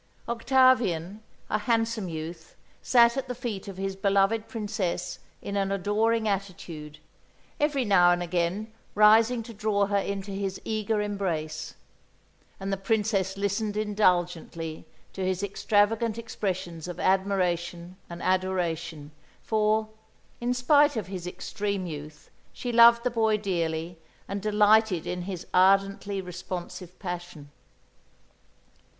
Octavian, a handsome youth, sat at the feet of his beloved Princess in an adoring attitude, every now and again rising to draw her into his eager embrace; and the Princess listened indulgently to his extravagant expressions of admiration and adoration for, in spite of his extreme youth, she loved the boy dearly and delighted in his ardently responsive passion.